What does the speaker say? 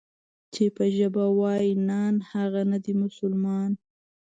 چې په ژبه وای نان، هغه نه دی مسلمان.